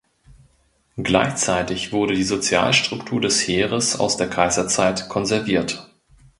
Gleichzeitig wurde die Sozialstruktur des Heeres aus der Kaiserzeit konserviert.